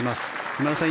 今田さん